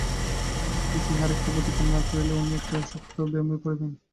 আমি বলিতেছি, ইহার একটা প্রতিকার না করিলে উনি একটা শক্ত ব্যামোয় পড়িবেন।